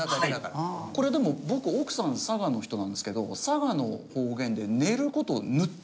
これでも僕奥さん佐賀の人なんですけど佐賀の方言で寝る事を「ぬ」って。